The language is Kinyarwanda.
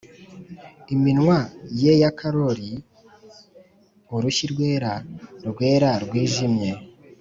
iminwa ye ya korali, urushyi rwera rwera rwijimye.